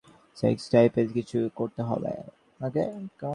Sex টাইপের কিছু করতে হবে?